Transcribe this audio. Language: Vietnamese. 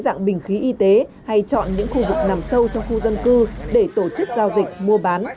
dạng bình khí y tế hay chọn những khu vực nằm sâu trong khu dân cư để tổ chức giao dịch mua bán